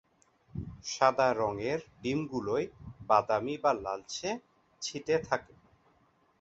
সাদা রঙের ডিমগুলোয় বাদামি বা লালচে ছিট থাকে।